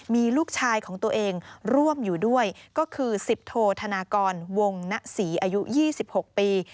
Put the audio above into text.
มีลูกชายของตัวเองร่วมอยู่ด้วยก็คือ๑๐โทธนากรวงณศรีอายุ๒๖ปี